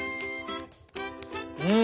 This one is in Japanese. うん！